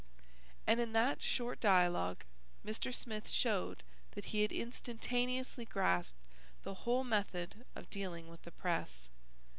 And in that short dialogue Mr. Smith showed that he had instantaneously grasped the whole method of dealing with the press.